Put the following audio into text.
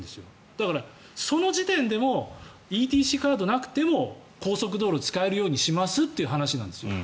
だからその時点でもＥＴＣカードがなくても高速道路を使えるようにしますという話なんですよ。